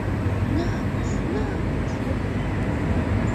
Намыс, намыс!